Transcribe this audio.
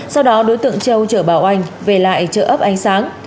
sau đó đối tượng châu chở bảo oanh về lại chợ ấp ánh sáng